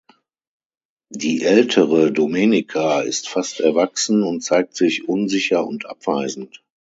Die ältere Domenica ist fast erwachsen und zeigt sich unsicher und abweisend.